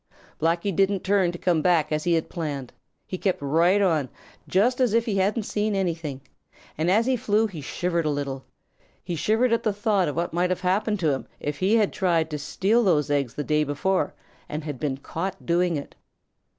Blacky didn't turn to come back as he had planned. He kept right on, just as if he hadn't seen anything, and as he flew he shivered a little. He shivered at the thought of what might have happened to him if he had tried to steal those eggs the day before and had been caught doing it.